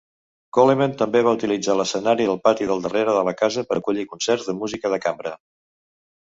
Coleman també va utilitzar l'escenari del pati del darrere de la casa per acollir concerts de música de cambra.